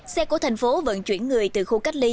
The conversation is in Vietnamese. xe của thành phố vận chuyển người từ khu cách ly